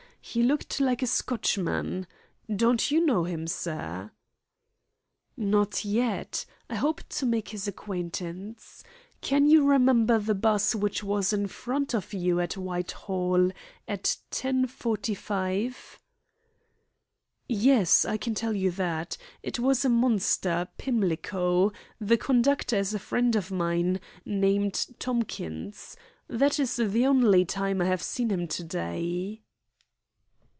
He looked like a Scotchman. Don't you know him, sir?" "Not yet. I hope to make his acquaintance. Can you remember the 'bus which was in front of you at Whitehall at 10.45?" "Yes; I can tell you that. It was a Monster, Pimlico. The conductor is a friend of mine, named Tomkins. That is the only time I have seen him to day."